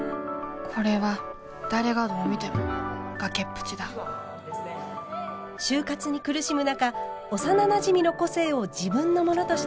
これは誰がどう見ても崖っぷちだ就活に苦しむ中幼なじみの個性を自分のものとして偽った主人公。